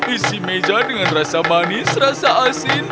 isi meja dengan rasa manis rasa asin